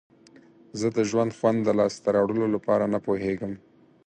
زه د ژوند خوند د لاسته راوړلو لپاره نه پوهیږم.